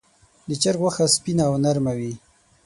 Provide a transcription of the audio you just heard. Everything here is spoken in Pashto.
د چرګ غوښه سپینه او نرمه وي.